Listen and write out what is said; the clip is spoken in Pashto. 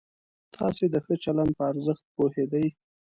تاسې د ښه چلند په ارزښت پوهېدئ؟